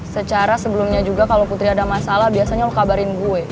secara sebelumnya juga kalo putri ada masalah biasanya lo kabarin gue